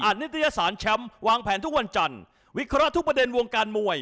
นิตยสารแชมป์วางแผนทุกวันจันทร์วิเคราะห์ทุกประเด็นวงการมวย